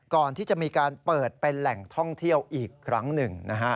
ก่อนที่จะมีการเปิดเป็นแหล่งท่องเที่ยวอีกครั้งหนึ่งนะฮะ